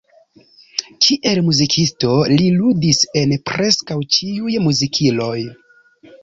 Kiel muzikisto, li ludis en preskaŭ ĉiuj muzikiloj.